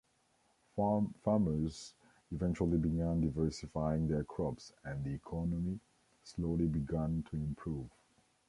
Farmers eventually began diversifying their crops, and the economy slowly began to improve.